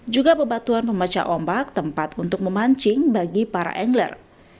juga bebatuan pembaca ombak tempat untuk memancing bagi para angler